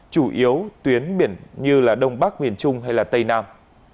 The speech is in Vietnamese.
chủ yếu tuyến biển như đông bắc miền trung hay tây nam